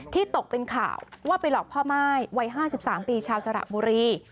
ตกเป็นข่าวว่าไปหลอกพ่อม่ายวัย๕๓ปีชาวสระบุรี